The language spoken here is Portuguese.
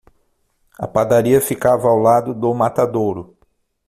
A padaria ficava ao lado do matadouro.